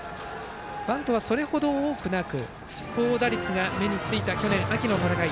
バントはそれほど多くなく高打率が目に付いた去年秋の戦い